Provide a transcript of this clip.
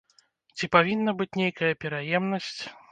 Ці павінна быць нейкая пераемнасць?